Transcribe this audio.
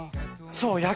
そう。